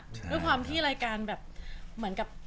ด้วยความที่รายการแบบเหมือนกับ